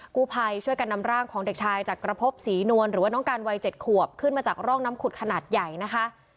กู้ภัยช่วยกันนำร่างของเด็กชายจักรพบศรีนวลหรือว่าน้องการวัย๗ขวบขึ้นมาจากร่องน้ำขุดขนาดใหญ่นะคะ